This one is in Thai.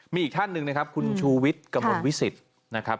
มีอีกท่านหนึ่งนะครับคุณชูวิทย์กระมวลวิสิตนะครับ